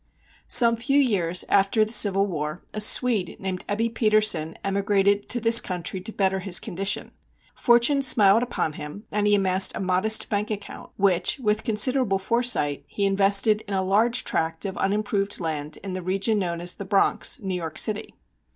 Some few years after the Civil War a Swede named Ebbe Petersen emigrated to this country to better his condition. Fortune smiled upon him and he amassed a modest bank account, which, with considerable foresight, he invested in a large tract of unimproved land in the region known as "The Bronx," New York City.